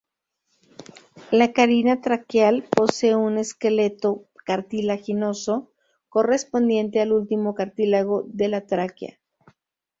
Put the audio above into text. La carina traqueal posee un esqueleto cartilaginoso correspondiente al último cartílago de la tráquea.